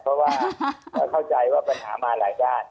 เพราะว่าเราเข้าใจว่าปัญหามาหลายด้าน